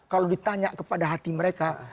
kalau ditanya kepada hati mereka